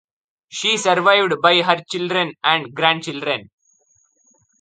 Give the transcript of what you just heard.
She was survived by her children and grandchildren.